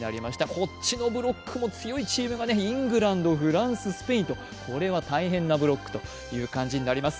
こっちのブロックも強いチームがイングランド、フランススペインと、これは大変なブロックということになります。